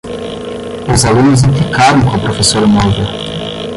Os alunos implicaram com a professora nova.